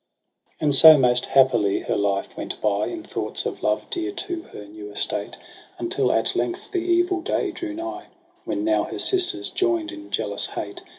ao And so most happily her life went by. In thoughts of love dear to her new estate^ Until at length the evil day drew nigh. When now her sisters, joined in jealous hate.